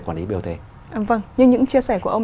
quản lý biểu thể vâng như những chia sẻ của ông